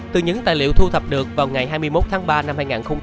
từ những tài liệu thu thập được vào ngày hai mươi một tháng ba năm hai nghìn hai mươi